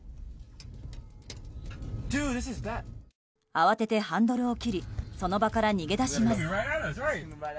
慌ててハンドルを切りその場から逃げ出します。